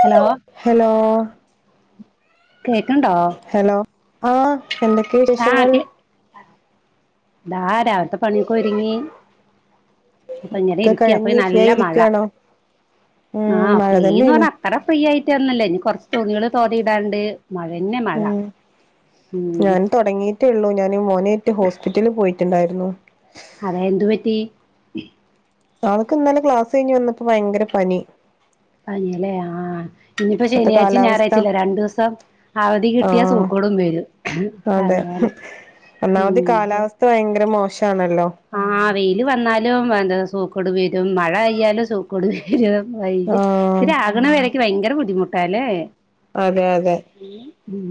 Hello hello കേക്ക്ണ്ടോ hello ആഹ് എന്തൊക്കെയാ ആഹ് [unintelligible] ദാ രാവിലത്തെ പണിയൊക്കെ ഒരുങ്ങി. അപ്പൊ ഇങ്ങനെ ഒക്കെ ഇരിക്ക അപ്പൊ കഴിഞ്ഞ് ഫ്രീ നല്ല മഴ ആയിരിക്കയാണോ ഉം ആഹ് മഴ ഫ്രീന്ന് തന്നെയാണ് പറ അത്ര ഫ്രീ ആയിട്ടൊന്നല്ല ഇനി കൊറച്ച് തുണികള് തോതിയിടാന്ണ്ട് മഴ തന്നെ മഴ ഉം ഉം ഞാൻ തുടങ്ങിയിട്ടേള്ളൂ ഞാൻ മോനേറ്റ് ഹോസ്പിറ്റല് പോയിട്ടുണ്ടായിരുന്നു അതെ എന്തു പറ്റി? അവക്ക് ഇന്നാലെ ക്ലാസ് കഴിഞ്ഞ് വന്നപ്പോ ഭയങ്കര പനി പനില്ലേ ആഹ് ഇനിയിപ്പോ ഇപ്പത്തെ ശനിയായിച്ചിം കാലാവസ്ഥ ഞായറാഴ്ചയുല്ലേ രണ്ടു ദിവസം അവധി കിട്ടിയാ ആഹ് സൂക്കേടും വരും അതെ അങ്ങനെ ഒന്നാമത് കാലാവസ്ഥ ഭയങ്കര മോശാണല്ലോ ആ വെയില്‌ വന്നാലും എന്താ സൂക്കേട്‌ വരും മഴയ്യാലും സൂ കൊടുവ വൈയ്യ ആഹ് ഇത്തിരി ആകണ വരക്ക് ഭയങ്കര ബുദ്ധിമുട്ടാല്ലേ അതെ അതെ മ്മ്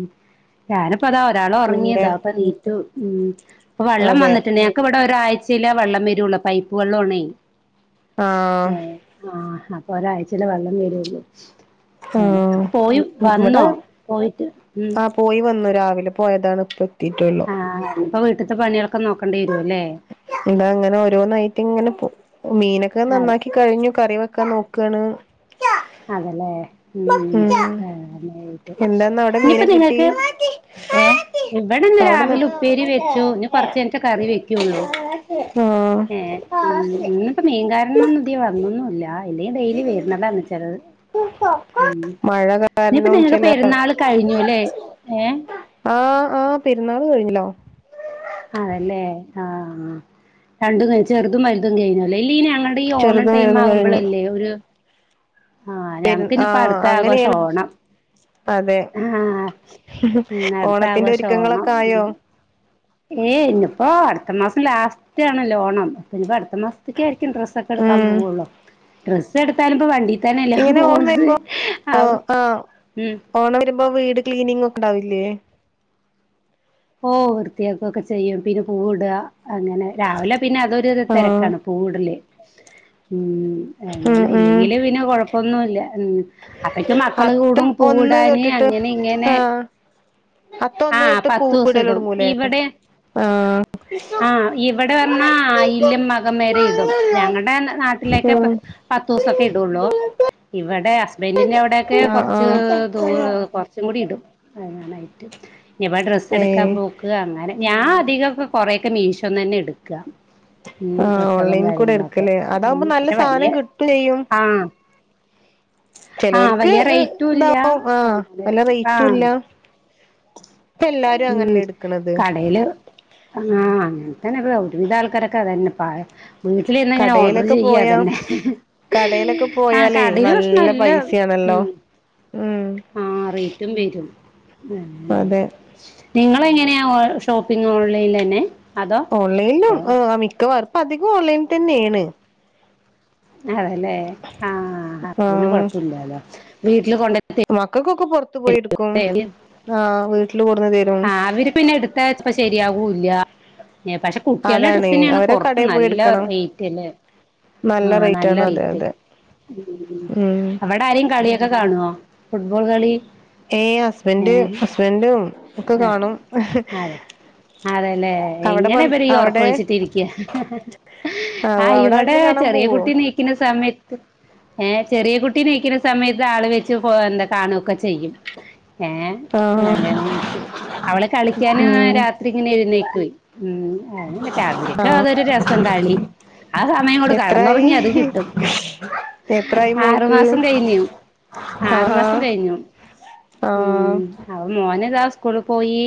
ഞാനിപ്പോ അതാ ഒരാൾ പിന്നെ ഉറങ്ങിയതാ അപ്പൊ നീറ്റു മ്മ് അപ്പൊ വെള്ളം അതെ വന്നിട്ടുണ്ട് ഞങ്ങക്ക് ഇവിടെ ഒരാഴ്ചയില വെള്ളം വരുള്ളൂ പൈപ്പ് വള്ളോണേ ആഹ് ഏഹ് ആഹ് അപ്പൊ ഒരാഴ്ചയില വെള്ളം വരുള്ളൂ അങ്ങനെ ആഹ് അപ്പൊ പോയി ഇവിടെ വന്നോ പോയിട്ട് ഉം ആഹ് പോയി വന്നു രാവിലെ പോയതാണ് ഇപ്പോ എത്തീട്ടുള്ളൂ ഇനിപ്പൊ വീട്ടത്തെ പണിയൊക്കെ നോക്കേണ്ടി വരു അല്ലേ ഇതാ ഇങ്ങനെ ഓരോ ന്നായിട്ട് ഇങ്ങനെ മീനൊക്കെ അതെ നന്നാക്കി കഴിഞ്ഞു കറി വെക്കാൻ നോക്കണ്. അതല്ലേ മ്മ് ഉം അങ്ങനെ ആയിട്ട് എന്താന്ന് അവിടെ മീനെ ഇനിയിപ്പോ കിട്ടി നിങ്ങക്ക് ഏഹ് ഇവിടെ ഇന്ന് അവിടെന്ന് രാവിലെ ഉപ്പേരി വെച്ചു ഇനി കൊറച്ച് കഴിഞ്ഞിട്ടേ കറി വെക്കുള്ളൂ ഏഹ് മ്മ് ആഹ് ഇന്ന് ഇപ്പ മീൻകാരനൊന്നും ഇതി വന്നൊന്നുംല്ല ഇല്ലെങ്കി ഡെയിലി വരുന്നതാ ചെലത് മ്മ് മഴ ഇനിയിപ്പ കാരണം നിങ്ങക്ക് ചില പെരുന്നാൾ കഴിഞ്ഞുല്ലേ ഏഹ് ആഹ് ആഹ് പെരുന്നാൾ കഴിഞ്ഞില്ലോ അതല്ലേ ആഹ് ആഹ് രണ്ടും കഴിഞ്ഞ് ചെറുതും വലുതും കഴിഞ്ഞല്ലേ ഇല്ല ഇനി അങ്ങ ഈ ഓണം ചെറുത് ടൈം വലുത് കഴിഞ്ഞു ആകുമ്പോളല്ലേ ഒരു ആഹ് പെരു ഞങ്ങക്ക് ഇനിപ്പോ ആഹ് അടുത്ത ആഘോസം അങ്ങനെയാണ് ഓണം അതെ ആഹ് മ്മ് അടുത്ത ഓണത്തിന്റെ ആഘോഷ ഓണം ഒരുക്കങ്ങളൊക്കെ ആയോ ഏയ് ഇന്നപ്പോ അടുത്ത മാസം ലാസ്റ്റ് ആണ്ലെ ഓണം ഇനിപ്പ അടു അത്ര മാസത്തക്ക ആയിരിക്കും ഡ്രസ്സ ഒക്കെ എടുക്കാൻ ഉം പോവുള്ളൂ ഡ്രസ്സ് എടുത്താലും ഇപ്പ വണ്ടിത്തന്നെ എല്ലാം ഇങ്ങനെ ഓണം പോണത് വരുമ്പോ ആഹ് മ്മ് ഓണം വരുമ്പോ വീട് ക്ലീനിങ് ഒക്കെണ്ടാവില്ലേ ഓ വൃത്തിയാക്കുകൊക്കെ ചെയ്യും പിന്നെ പൂടുക അങ്ങനെ രാവിലെ പിന്നെ അതൊരു ആഹ് തെരക്കാണ് പൂവ്ടല് മ്മ് ഉം അങ്ങനെ ഉം ഇല്ലെങ്കില് പിന്നെ കൊഴപ്പൊന്നുല്ല മ്മ് അതക്കെ മക്കള് അത്തം കൂടും ഒന്ന് പൂവിടാന് തൊട്ടിട്ട് അങ്ങനെ ഇങ്ങനെ ആഹ് അത്തം ആ ഒന്ന് തൊട്ട് പത്ത് ദിവസം പൂവിടൽ ഇടും തുടങ്ങൂലേ ഇവിടെ ആഹ് ഇവിടെ പറഞ്ഞാ ആയില്യം മകം വരെ ഇടും ഞങ്ങളുടെ നാ ട്ടിലൊക്കെ ഉം പത്ത് ദിവസൊക്കെ ഇടുള്ളൂ ഇവിടെ ഹസ്ബന്റിന്റെ അവിടൊക്കെ ആഹ് കൊറച്ച് ആഹ് പൂവ് കുറച്ചും കൂടി ഇടും അങ്ങാനായിട്ട് ഇനിപ്പ ഡ്രസ് ഏഹ് എട്ക്കാൻ പോക്ക് അങ്ങനെ ഞാൻ അധികംഇപ്പ കൊറേക്കെ മീഷോന്നന്നെ എട്ക്ക്. മ്മ് ആഹ് ഡ്രസ്ളും ഓൺലൈൻ കൂടെ കാര്യങ്ങളൊക്കെ എടുക്കല്ലേ അതാവുമ്പോ നല്ല പക്ഷെ വലിയ സാധനം കിട്ടും ചെയ്യും ആഹ് ആഹ് ചെലോർക്ക് വലിയ റേറ്റും ഇല്ല ഇതാവും ആഹ് വല്ല റേറ്റും ആഹ് ഇല്ല ഇപ്പ എല്ലാരും മ്മ് അങ്ങനല്ലേ എടുക്കണത് കടയില് ആഹ് അങ്ങനെത്തന്നെ ഒരുവിധ ആൾക്കാരൊക്കെ അതെന്നപ്പാ വീട്ടിൽഇരുന്നങ്ങനെ ഓർഡർ കടയിലൊക്കെ ചെയ്യാ പോയാ അതന്നെ കടയിലൊക്കെ ആഹ് പോയാലേ കടയില് പക്ഷെ നല്ല പൈസയാണല്ലോ ഉം മ്മ് ആഹ് റേയ്റ്റും വെരും അതെ നിങ്ങൾ എങ്ങനെയാ ഓഹ് ഷോപ്പിങ് ഓൺലൈനിലെന്നെ ഓൺലൈനും ഏഹ് മിക്കവർ ഇപ്പ അധികം ഓൺലൈൻ തന്നെയെണ്. അതെല്ലേ ആഹ് അപ്പോപിന്ന ആഹ് കൊഴ്യോ പ്പില്ലാല്ലോ വീട്ടില് കൊണ്ടെ മക്കൾക്കൊക്കെ പൊറത്ത് പോയിട്ക്കും. ആഹ് വീട്ടില് കൊട്ന്ന് തെരും. ആഹ് അവര് പിന്നെ ഇട്ത്താ ഇപ്പ ശെരിയാകൂല്ല. പക്ഷെ കുട്ടിയളെ അതാണേ ഡ്രസ്സിനാണ് അവരെ പൊറത്ത് കടയിൽ പോയി നല്ല എടുക്കണം റേറ്റ്ല്ലേ. ആഹ് റേറ്റ് നല്ല ആണ് അതെ റിറ്റ് അതെ ഉം അമ്മളെ അടാരിം കളിയൊക്കെ കാണോ, ഫുട്ബോൾ കളി? ഏയ് ഹസ്ബന്റ് ഏഹ് ഹസ്ബന്റും ഒക്കെ ആഹ് കാണും അതെ അതെല്ലേ, അവിടെ പ എങ്ങനെ ഇപര് ഈ അവിടെ ഒറക്കൊഴിച്ചിട്ടിരിക്ക ഇഹ് ഇഹ് ആ അവിടെ ഇവടെ ആരെലും കാണാൻ ചെറിയ പോവോ കുട്ടി നീക് ക്ക്ണ സമയത്ത് ഏഹ് ചെറിയ കുട്ടി നീക്കിണ സമയത്ത് ആളെ വെച്ച് പോവണ്ടേ. കാണുവൊക്കെ ചെയ്യും. ഏഹ് നല്ലോണായിട്ട് അവള് കളിക്കാനു ഏഹ് ഉം രാത് ത്രി ഇങ്ങനെ എഴുന്നെയ്ക്കോയ് ഉം അതെന്നെ അവര്ക്ക് അതൊരു രസം കളി ആ സമയങ്ങോട്ട് എത്രായി കെടന്നൊറങ്ങിയാൽ അത് കിട്ടും. എത്രായി ആറ് മോൾക്ക് മാസം തെഴഞ്ഞോ? ആറു ആഹാ മാസം കഴിഞ്ഞു. ആഹ് അപ്പ മോനിതാ സ്കൂളിൽ പോയി.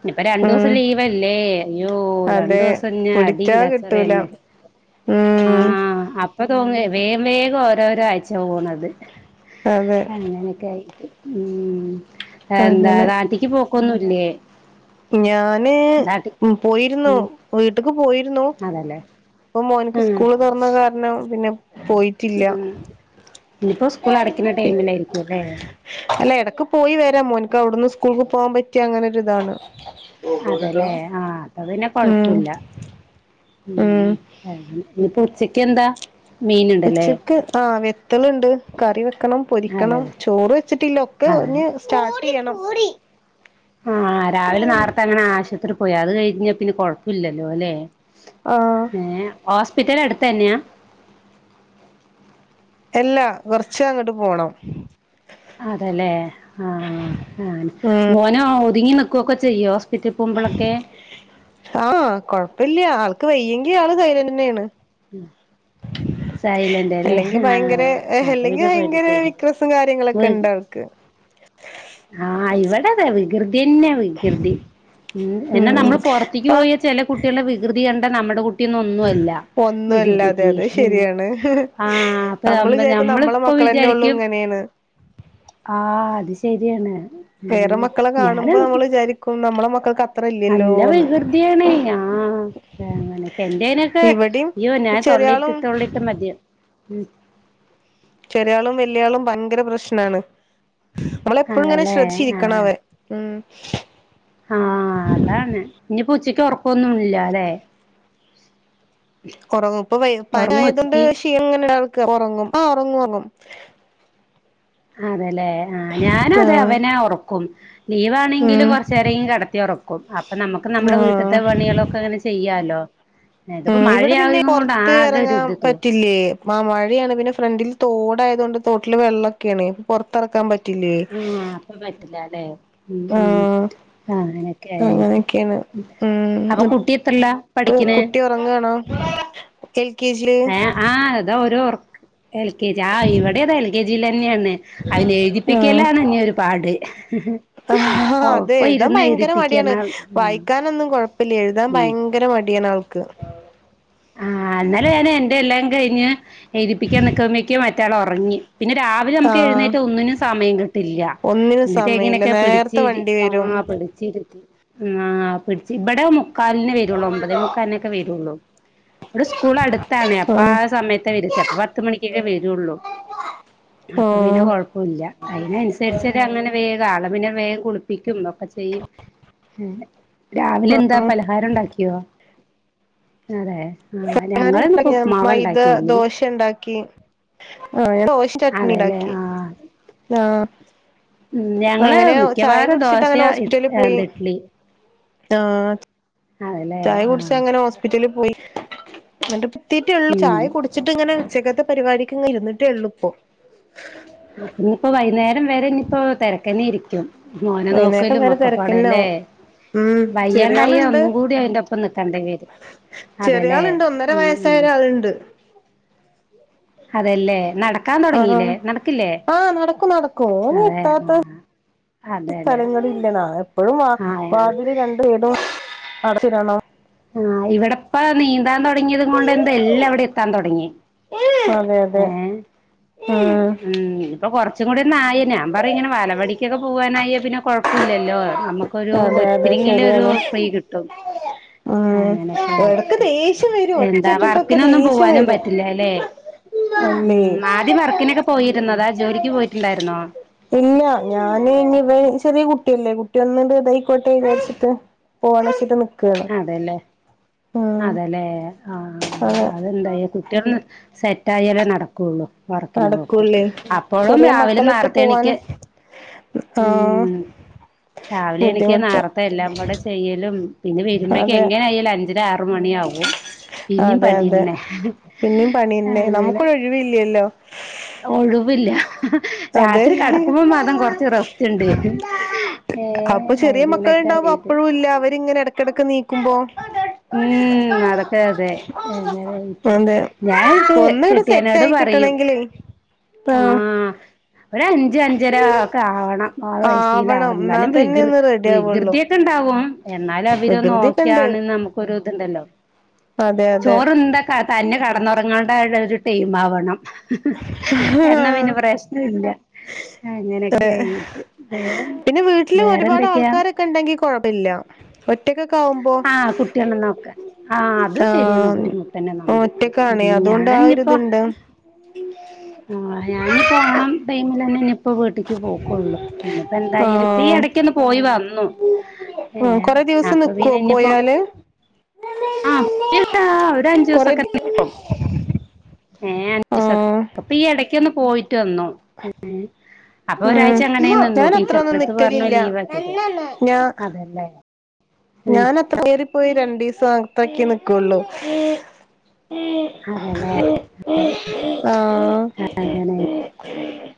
ഇനി ഇപ്പ രണ്ടൂസം ഉം ലീവല്ലേ, അയ്യോ അതെ രണ്ടോസം ഇഞ്ഞ അടിയിം കച്ചറെന്നെ. [unintelligible] മ് ഇപ്പൊ തോന്നെയ് വേം വേഗം ഓരോരോ ആഴ്ച്ച പോണത്. അതെ അങ്ങനെയൊക്കെയായി ഉം, എന്താ അങ്ങനെ നാട്ടിക്ക് പോക്കൊന്നുല്ലേ? ഞാന് പോയിരുന്നു. ഉം വീട്ടിക്ക് പോയിരുന്നു. അതല്ലേ ഇപ്പൊ മോൻക്ക് ഉം സ്കൂള് തൊറന്ന കാരണം പിന്നെ പോയി. ആഹ്, ഇനിയിപ്പോ സ്ക്കൂള് അടയ്ക്ക്ണ ടൈമിലായിരിക്കു അല്ലേ? അല്ല എടക്ക് പോയി വെരാ മോൻക്ക് അവ്ട്ന്ന് സ്കൂൾക്ക് പോവാൻ പറ്റിയ അങ്ങനെ ഒരു ഇതാണ്. അതെല്ലേ ആഹ് അപ്പ പിന്നെ കൊഴപ്പു ഉം ല്ല. ഉം ഉം [unintelligible] ഇനിപ്പ ഉച്ചക്ക്യെന്താ? ഉച്ചക്ക് ആഹ് വെത്തള്ണ്ട് കറി വെക്കണം അതെ അതെ പൊരിക്കണം ചോറ് വെച്ചിട്ടില്ല ഒക്കെ അതെ ഞ് സ്റ്റാർട്ടെയ്യണം. ആഹ് രാവിലെ നാർത്തെ അങ്ങനെ ആശുത്രി പോയി അത് കഴിഞ്ഞ പിന്നെ കൊഴപ്പല്ലല്ലോ അല്ലെ? ആഹ് ഏഹ് ഹോസ്പിറ്റല അടുത്തന്നെയാ? എല്ലാ കൊർച്ച് അങ്ങട്ട് പോണം. അതെലേ ആഹ് ആഹ് ഉം മോനോ ഒതുങ്ങി നിക്കൊക്കെ ചെയ്യോ? ചിറ്റിപ്പുമ്പളൊക്കെ ആഹ് കൊഴ്പ്പല്ല ആൾക്ക് വയ്യെങ്കി ആള് സൈലന്റെന്നേണ്. ഉം അല്ലെങ്കി ഭയങ്കര അപ്പൊ അല്ലെങ്കി പിന്നെ വയ്ങ്കര പേടിക്കല്ലേ വിക്രസും കാര്യങ്ങളൊക്കെ വീ ഇണ്ടാ ക്ക്‌ ആഹ് ഇവിടെതേ വികൃതിന്നെ വികൃതി ഉം എന്നെ നമ്മൾ പുറത്തേക്ക് ഇപ്പ പോയ ചില കുട്ടികളെ വികൃതി കണ്ട നമ്മുടെ കുട് ട്ടിന്നൊന്നുമല്ല ഒന്നുല്ലാതെ വികൃതിക്ക് അത് ശരിയാണ് ആ അപ്പൊ നമ്മള് വിചാരിക്കും നമ്മളെ ഞമ്മളിപ്പൊ മക്കളെന്നെ ഒള്ളൂ വിചാരിക്കും ഇങ്ങനേന്ന് ആഹ് അത് ശരിയാണ്. വേറെ ഉം മക്കളെ ഞാന് കാണ്മ്പോ നമ്മള് വിചാരിക്കും നമ്മളെ മക്കക്ക് നല്ല വികൃതിയാണേ ആഹ് അങ്ങനെയൊക്കെ എന്റെനൊക്കെ ഇവിടിം അയ്യോ ഞാൻ തൊള്ളിട്ട് ചെറിയാളും തൊള്ളിയിട്ട് മതി ഉം ചെറിയാളും വെല്യയാളും ഭയങ്കര പ്രശ്നാണ്. നമ്മളെപ്പോഴും ഇങ്ങനെ അതല്ലേ ശ്രദ്ധിച്ചിരിക്കണ അവ ആഹ് ഉം ആഹ് അതാണ് ഇനിപ്പം ഉച്ചക്ക് ഉറക്കവൊന്നും ഇല്ല അല്ലെ ഉറങ്ങും ഇപ്പൊ പനി ഉറങ്ങോ ആയത് കൊണ്ട് ഉച്ചക്ക് ക്ഷീണിങ്ങന ഉറങ്ങും ആഹ് ഉറങ്ങും ഉറങ്ങും അതെല്ലേ ആ ഞാന് അതെ ആഹ് അവനെ ഉറക്കും ലീവാണെങ്കിലും ഉം കുറച്ച് നേരം കെടത്തി ഉറക്കും അപ്പൊ നമുക്ക് നമ്മുടെ വീട്ടത്തെ ആഹ് പണികളും അങ്ങനെ ചെയ്യാലോ ഇതിപ്പോ ഉം ഇവിടെ പിന്നെ മഴയായത് കൊണ്ട് പുറത്ത് ആകെ ഒരു ഇറങ്ങാൻ ഇത് തോ പറ്റില്ലേ മഴയാണ് പിന്നെ ഫ്രണ്ടിൽ തോടായത് കൊണ്ട് തോട്ടില് വെള്ളൊക്കെയാണ് പുറത്തിറക്കാൻ പറ്റ ട്ടിലെ ഇപ്പ പറ്റില്ല അല്ലേ ഉം ഉം ആഹ് അങ്ങനൊക്കെ ആയിട്ട് അങ്ങനെയൊക്കെയാണ് അപ്പൊ ഉം കുട്ടി എത്രയില കുട്ടി ഉറങ്ങണ എൽ കെ ജി ഏഹ് ആഹ് അതാ ഓരൊറക്ക് എൽ കെ ജി ആ ഇവിടേതാ എൽ കെ ജിൽന്നെയാണ് അവനെ എഴുതിപ്പിക്കലാണ് ഇനി ഒരു പാട് ആഹ് ആഹ് അതെ ഒപ്പം എഴുതാൻ ഇരുന്ന് ഭയങ്കര മടിയാണ് എഴുതിപ്പിക്കണം ഉം വായിക്കാനൊന്നും കൊഴപ്പില്ല എഴുതാൻ ഉം ഭയങ്കര മടിയാണ് ആൾക്ക് ആഹ് ഇന്നലെ ഞാൻ എന്റെ എല്ലാം കഴിഞ്ഞ് എഴുതിപ്പിക്കാൻ നിക്കുമ്പോക്ക് മറ്റെയാൾ ഉറങ്ങി പിന്നെ രാവിലെ നമുക്ക് ആഹ് എഴുന്നേറ്റ ഒന്നിനും സമയം കിട്ടില്ല ഒന്നിനും എന്നിട്ട സമയില്ല എങ്ങനെയൊക്കെ നേരത്തെ പിടിച്ച് വണ്ടി വരും ആഹ് പിടിച്ചിരുത്തി ആഹ് പിടിച്ചു ഇവിടെ മുക്കാലിന് വരുള്ളൂ ഒമ്പതേ മുക്കാലിന് ഒക്കെ വരുള്ളൂ ഇവിടെ സ്കൂൾ അടുത്താണ് അപ്പൊ ആഹ് ആ സമയത്തെ വിരിച്ചേ അപ്പ പത്ത് മണിക്കൊക്കെ വരുള്ളൂ അപ്പൊ പിന്നെ ആഹ് കൊഴപ്പമില്ല അതിനനുസരിച്ചത് അങ്ങനെ വേഗം ആളെ പിന്നെ വേഗം കുളിപ്പിക്കും ഒക്കെ ചെയ്യും രാവിലെ എന്താ പലഹാരം ഉണ്ടാക്കിയോ അതെ ആഹ് ഞങ്ങളിന്നിപ്പോ [unintelligible] ഉപ്പ്മാവ മൈദ ഉണ്ടാക്കിയെ ഇല്ലെങ്കി ദോശ ഉണ്ടാക്കി ആഹ് ദോശ ചട്നി അതെല്ലേ ഇണ്ടാക്കി ആ ആഹ് ഞങ്ങള് അങ്ങനെ ചായ മിക്കവാറും കുടിച്ചിട്ട് ദോശ അങ്ങനെ ഹോസ്പിറ്റലിൽ പോയി എന്ത ഇഡ്ലി ആഹ് അതെല്ലേ ചായ ആ കുടിച്ച് അങ്ങനെ ഹോസ്പിറ്റലിൽ പോയി എന്നിട്ട് തീറ്റേ ഉള്ളൂ ഉം ചായ കു വച്ചിട്ട് ഇങ്ങനെ ഉച്ചക്കത്തെ പരിപാടിക്ക് പോയി ഇരുന്നിട്ട് ഒള്ളു ഇപ്പൊ ഇനീപ്പോ വൈകുന്നേരം വരെ ഇനിയിപ്പോ തിരക്കന്നായിരിക്കും മോനെ വൈന്നേരം നോക്കലും വരെ തിരക്കന്നെ ഒക്കെപ്പാടല്ലേ ആവും ഉം ചെറിയ വയ്യാണ്ടായ ആളുണ്ട് ഒന്നും കൂടി അയിന്റെ ഒപ്പം നിൽക്കേണ്ട വരും ചെറിയ അതല്ലേ ആളുണ്ട് ഒന്നര ഉം വയസ്സായ ഉം ഒരാളുണ്ട് അതല്ലേ നടക്കാൻ ആഹ് തുടങ്ങില്ലേ നട ആഹ് നടക്കും നടക്കും ഓന്റെ ആ ഇത്താത്ത അതെല്ലെ സ്ഥലങ്ങളില്ലനാ എപ്പോഴും വാ ആ വാതിൽ രണ്ടും വീടും അടച്ചിടണം ആഹ് ഇവിടിപ്പൊ നീന്താൻ തുടങ്ങിയത് കൊണ്ട് എന്താ എല്ലാം അവിടെ എത്താൻ തുടങ്ങി അതെ അതെ ഏഹ് ഉം ഉം ഇപ്പൊ കൊറച്ചും കൂടി ഒന്ന ആയി ഞാൻ പറ ഇങ്ങനെ വാലപടിക്കൊക്കെ പോവാനായി പിന്നെ കുഴപ്പമില്ലല്ലോ നമുക്കൊരു അതെ അതെ തിരിങ്ങില ഒരു ശരിയാണ് ഫ്രീ കിട്ടും ഉം അങ്ങനെയൊക്കെ എടക്ക് ആയിട്ടും ദേഷ്യം വരും എന്താ ഒച്ചട്ടിട്ടൊക്കെ വർക്കിനൊന്നും ദേഷ്യം പോവാനും വരും പറ്റില്ലാല്ലേ അല്ലേ ഉം ആദ്യം വർക്കിനൊക്കെ പോയിരുന്നതാ ജോലിക്ക് പോയിട്ടുണ്ടായിരുന്നോ ഇല്ല ഞാന് ഇനി ചെറിയ കുട്ടിയല്ലേ കുട്ടി ഒന്നണ്ട് ഇതായിക്കോട്ടെ വിചാരിച്ചിട്ട് പോണം ച്ചിട്ട് നിക്. അതെല്ലേ അതെല്ലേ ആഹ് അതെ അതെന്താ കെട്ടിയവൻ സെറ്റ് ആയാലേ നടക്കുള്ളൂ വറക്കിന് പോക്കും നടക്കൂല്ലേ അപ്പോഴും ചെറിയ രാവിലെ മക്കളിട്ട് നാരത്തെണിക്ക് പോവാനും ആഹ് ഉം രാവിലെ എണീക്ക ബുദ്ധിമുട്ട് നേർത്തെ എല്ലാം കൂടെ ചെയ്യലും പിന്നെ വരുമ്പോഴേക്ക് അതെ എങ്ങനെെയായാലും അഞ്ചര ആറ് മണിയാവും പിന്നും അതെ അതെ പണിയല്ലേ പിന്നിം പണിന്നെ അങ്ങനെ നമുക്കൊരു ഒഴിവില്ലല്ലോ ഒഴ്‌വില്ല്യ. [inaudible] അതെ. [inaudible] റെസ്റ്റ് ഉണ്ട് [unintelligible] ഏ അപ്പൊ ചെറിയ മക്കൾ അങ്ങനൊക്കെ ണ്ടാവുമ്പോ ആയിട്ട് അപ്പഴും ല്ല. അവരിങ്ങനെട ക്ക്. കിടക്ക നീക്കുമ്പോ? ഉംമ്മ്, അതൊക്കെ തെ യങ്കര വിറ്റ്. തെ, ഒന്ന്ങ്ങ്ട് സെറ്റ് ആയി പറയും കിട്ടണെങ്കില്. ആഹ്. ഒരു അഞ്ച് അഞ്ചരാ ഒക്കെ ആവണം ആറ് വയസീല ആവ ആവണം എന്നാ എന്നാലും തന്നെ വികൃ ഒന്ന് റെഡി ആവുള്ളൂ വികൃതിയെ. ണ്ടാവും എന്നാലും അവര് വികൃതിയൊക്കെ ഉണ്ട് ന്നോക്കയാണ് ന്ന് നമുക്കൊരുത് ണ്ടല്ലോ? അതെ അതെ ചോറ്ന്ത ക്ക തന്നെ കെടന്നുറ ങ്ങേണ്ട ഒരു രു ടൈം ആവണം. എന്നാ പിന്നെ പ്രശ്ന ഇല്ല. അങ്ങനെയൊക്കെ ആയിട്ട് വേറെ ന്ത്‌ വേറെ എന്തൊക്കെയാ? ക്ക ണ്ടെങ്കി കൊഴ്പല്ല. ഒറ്റക്കക്കാവുമ്പോ ആഹ് കുട്ടികളെ നോക്കാൻ ആഹ് അത് ശരിയാണ് ആഹ്. ബുദ്ധിമുട്ടന്നെ നമ്മക്ക് ഉം ഒറ്റക്കാണെ അതോണ്ട് ആ ഒ ഒരു ഞാനിപ്പോ ഇതുണ്ട്. ആഹ്, ഞാഞ്ഞി പ്പോ ഓണം ടൈമിലെ ന്നെ ഞ്ഞിപ്പോ. പ്പൊ വീട്ടിക്ക് പോക്കൊള്ളു. പിന്നെപ്പ ന്തായാലും ഇപ്പൊ, ഈ ആഹ് ഇടക്കൊന്ന് പോയി വന്നു. യേം, കൊറെ ദിവസം അപ്പൊ നിക്കോ പിനഞ്ഞിപ്പോ? പോയാല് ആഹ് [unintelligible] കൊറെ ദി ഒരഞ്ചുസക്കെനിക്കും. ഏ, [unintelligible] ആഹ് അപ്പൊ ഈ ഇടക്കൊന്ന് പോയിട്ട് വന്നോ? പിന്നെ അപ്പൊ ഉം ഒരാഴ്ച അങ്ങനെ നിന്നു. ഞാൻ ടീച്ചർ അത്രൊന്നും ന്റെട്ത്ത് പറഞ്ഞു നിക്കലില്ല ലീവ് ആക്കീട്ട്. ഞാ അതല്ലേ? ഉം ഞാൻ അത്ര ഏറി പോയ, രണ്ടീസം അത്രക്കേ നിക്കൊള്ളു? അതല്ലേ [unintelligible] ആഹ്. അങ്ങനെ [unintelligible]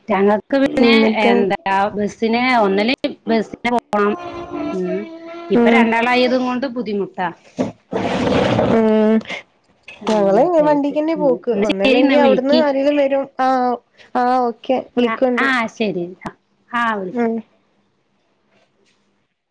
ഞങ്ങൾക്ക് പിന്നെ എന്നിട്ട് എന്താ ബെസിന്, ഒന്നല്ലങ്കി ബെസിന് പോണം. ഉം, ഇപ്പ ഉം രണ്ടാളായതു കൊണ്ട് ബുദ്ധിമുട്ടാ. ഉം, ഞങ്ങള്. അങ്ങനെയൊക്കെ ആയിട്ട് വണ്ടിക്കന്നെ ഉം പോക്ക്. എന്നാ ശരി എന്നാ ഒന്നല്ലെങ്കിൽ അവിടുന്ന് വിളിക്ക് ആരേലും വരും. ആഹ്, ആഹ് ഓക്കെ. വിളിക്കണ്ട് ആഹ്, ശരി ട്ടൊ ഹാ വിളിക്ക. ഉം